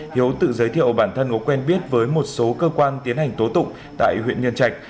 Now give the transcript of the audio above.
hiếu tự giới thiệu bản thân có quen biết với một số cơ quan tiến hành tố tụng tại huyện nhân trạch